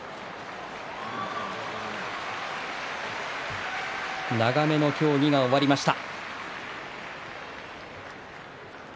拍手長めの協議が終わりました。